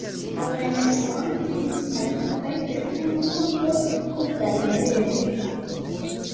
Molaj sonoj estis markataj per unu punkto apud la letero.